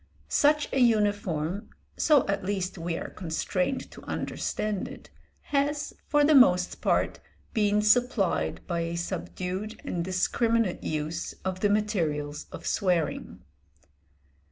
Such a uniform, so at least we are constrained to understand it, has, for the most part, been supplied by a subdued and discriminate use of the materials of swearing.